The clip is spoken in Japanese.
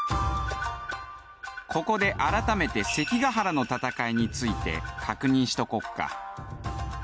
ここで改めて関ケ原の戦いについて確認しとこっか。